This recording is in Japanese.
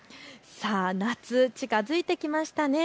夏、近づいてきましたね。